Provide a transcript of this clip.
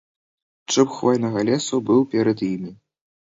Чуб хвойнага лесу быў перад імі.